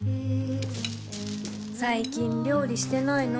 最近料理してないの？